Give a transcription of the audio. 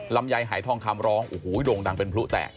ลำไยหายท่องคำร้องโด่งดังเป็นผู้แต่ง